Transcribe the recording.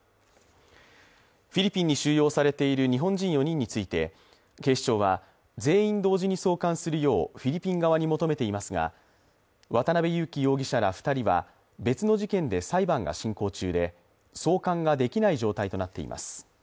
フィリピンに収容されている日本人４人について、警視庁は、全員同時に送還するようフィリピン側に求めていますが渡辺優樹容疑者ら２人は別の事件で裁判が進行中で送還ができない状態となっています。